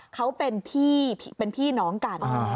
เขาเป็นพี่น้องกัน